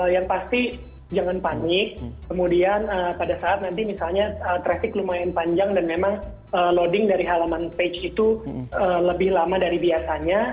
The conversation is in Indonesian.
yang pasti jangan panik kemudian pada saat nanti misalnya traffic lumayan panjang dan memang loading dari halaman page itu lebih lama dari biasanya